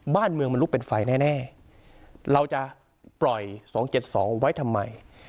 บ้านเมืองมันลุกเป็นไฟแน่เราจะปล่อย๒๗๒ไว้ทำไม